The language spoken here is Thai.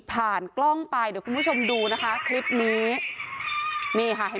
กล้องไปเดี๋ยวคุณผู้ชมดูนะคะคลิปนี้นี่ค่ะเห็น